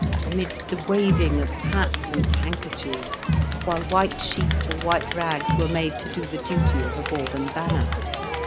amidst the waving of hats and handkerchiefs, while white sheets or white rags were made to do the duty of a Bourbon banner.